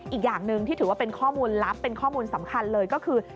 อีกอย่างหนึ่งที่ถือว่าเป็นข้อมูลลับเป็นข้อมูลสำคัญเลยก็คือ